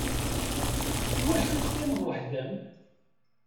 Iwacu teqqimeḍ weḥd-m?